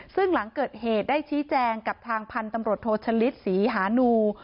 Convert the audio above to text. ซึ่งหลังเกิดเหตุได้ชี้แจงกับทางพันธุ์ตำรวจโทชะลิดศรีหานู